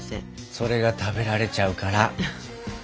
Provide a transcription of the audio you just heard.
それが食べられちゃうから。